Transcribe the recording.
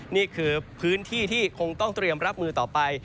นี่คือพื้นที่ที่คงต้องเตรียมรับมือต่อไป